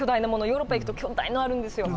ヨーロッパ行くと巨大なのあるんですよ。